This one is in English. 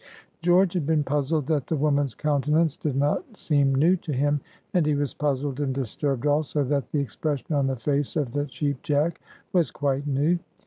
George had been puzzled that the woman's countenance did not seem new to him, and he was puzzled and disturbed also that the expression on the face of the Cheap Jack was quite new.